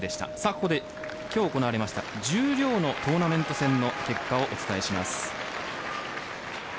ここで、今日行われました十両のトーナメント戦の結果をお伝えします。